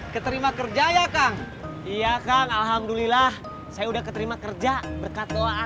keterima kerja ya kang iya kang alhamdulillah saya udah keterima kerja berkat doa